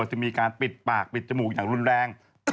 จะมีการปิดปากปิดจมูกอย่างรุนแรง